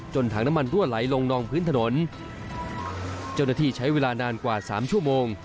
ถังน้ำมันรั่วไหลลงนองพื้นถนนเจ้าหน้าที่ใช้เวลานานกว่าสามชั่วโมง